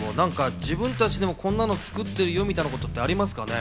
自分たちでもこんなのを作ってるよみたいなことってありますかね？